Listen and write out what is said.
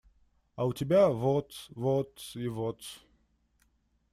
А у тебя – вот… вот… и вот…